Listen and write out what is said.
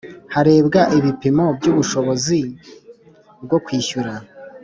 Harebwa ibipimo by’ubushobozi bwo kwishyura